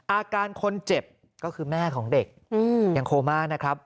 อาการคนเจ็บก็คือแม่ของเด็กยังโคม่านะครับ